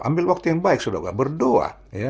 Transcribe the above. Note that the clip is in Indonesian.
ambil waktu yang baik saudara ku berdoa